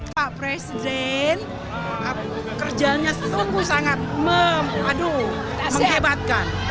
pak presiden pekerjaannya sungguh sangat membebatkan